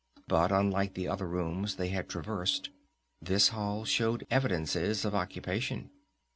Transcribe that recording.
But unlike the other rooms they had traversed, this hall showed evidences of occupation.